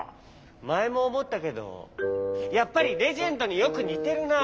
まえもおもったけどやっぱりレジェンドによくにてるなあ。